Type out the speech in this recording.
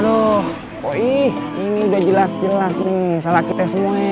aduh kok ih ini udah jelas jelas nih salah kita semua